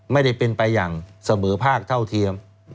ไม่ได้เป็นไปอย่างเสมอภาคเท่าเทียม